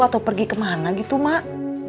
atau pergi kemana gitu mak